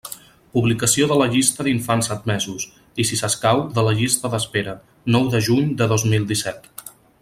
Publicació de la llista d'infants admesos i, si escau, de la llista d'espera: nou de juny de dos mil disset.